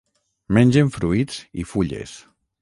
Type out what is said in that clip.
Mengen fruits i fulles.